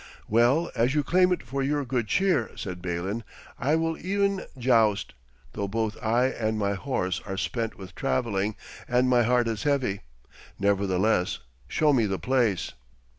'Well, as you claim it for your good cheer,' said Balin, 'I will e'en joust, though both I and my horse are spent with travelling, and my heart is heavy. Nevertheless, show me the place.'